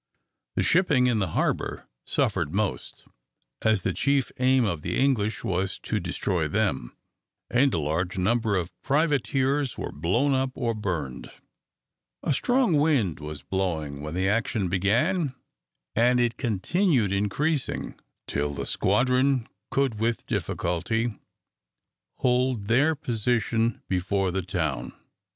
The shipping in the harbour suffered most, as the chief aim of the English was to destroy them, and a large number of privateers were blown up or burned. A strong wind was blowing when the action began, and it continued increasing, till the squadron could with difficulty hold their position before the town.